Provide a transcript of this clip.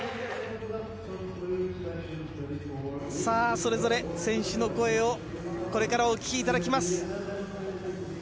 それぞれ選手の声をこれからお聞きいただきます。